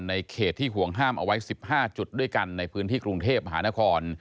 เขตที่ห่วงห้ามเอาไว้๑๕จุดด้วยกันในพื้นที่กรุงเทพมหานคร